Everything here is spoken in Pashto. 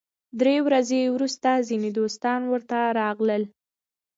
درې ورځې وروسته ځینې دوستان ورته راغلل.